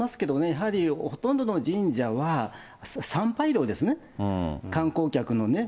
やはり、ほとんどの神社は参拝料ですね、観光客のね。